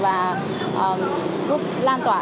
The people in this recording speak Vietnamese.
và giúp lan tỏa